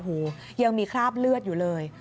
หูยังมีคราบเลือดอยู่เลย